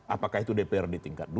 apakah itu dpr di tingkat dua